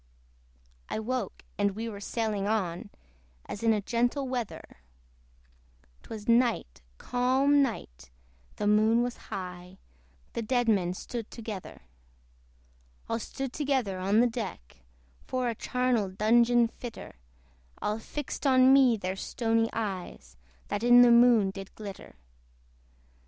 I woke, and we were sailing on As in a gentle weather: 'Twas night, calm night, the Moon was high; The dead men stood together. All stood together on the deck, For a charnel dungeon fitter: All fixed on me their stony eyes, That in the Moon did glitter.